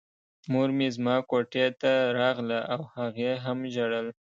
مور مې زما کوټې ته راغله او هغې هم ژړل